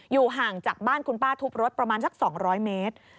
ห่างจากบ้านคุณป้าทุบรถประมาณสัก๒๐๐เมตร